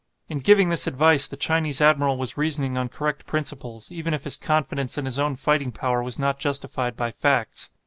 In giving this advice the Chinese admiral was reasoning on correct principles, even if his confidence in his own fighting power was not justified by facts.